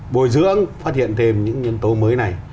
bồi dưỡng phát hiện thêm những nhân tố mới này